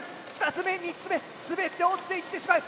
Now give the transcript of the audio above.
２つ目３つ目滑って落ちていってしまう。